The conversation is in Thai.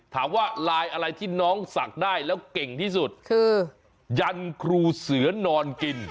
ลายอะไรที่น้องศักดิ์ได้แล้วเก่งที่สุดคือยันครูเสือนอนกิน